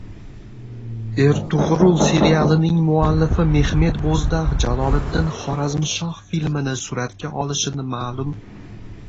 “Ertug‘rul” serialining muallifi Mehmet Bo‘zdag‘ “Jaloliddin Xorazmshoh" filmini suratga olishini ma’lum